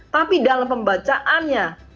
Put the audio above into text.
tapi dalam pembacaannya